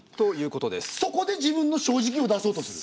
そこで自分の正直を出そうとする。